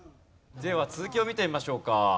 では続きを見てみましょうか。